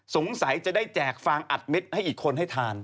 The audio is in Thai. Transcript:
สงสัยจะได้แจกฟางอัดเม็ดให้อีกคนให้ทาน